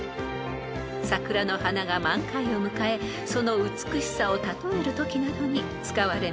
［桜の花が満開を迎えその美しさを例えるときなどに使われます］